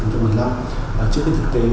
trước khi thực tế